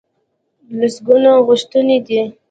لسګونه غوښتنې دي.